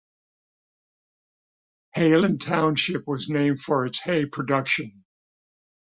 Hayland Township was named for its hay production.